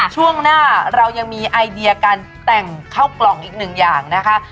ช่วงหน้าเรายังมีไอเดียการแต่งเข้ากล่องอีกหนึ่งอย่างนะคะ